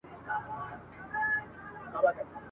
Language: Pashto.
د روغتیايي پوهاوي لوړوالی د کورنۍ په خیر دئ.